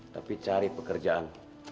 tapi cari pekerjaan